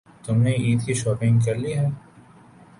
تم نے عید کی شاپنگ کر لی ہے؟